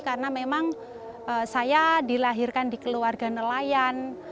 karena memang saya dilahirkan di keluarga nelayan